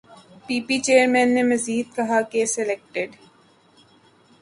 پی P chairman نے مزید کہا کہ سلیکٹڈ